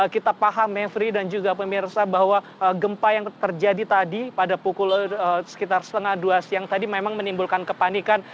kita paham mevri dan juga pemirsa bahwa gempa yang terjadi tadi pada pukul sekitar setengah dua siang tadi memang menimbulkan kepanikan